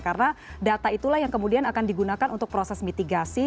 karena data itulah yang kemudian akan digunakan untuk proses mitigasi